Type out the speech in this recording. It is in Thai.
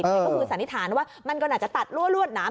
ก็คือสันนิษฐานว่ามันก็น่าจะตัดรั่วรวดหนาม